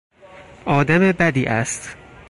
آدم بدی است.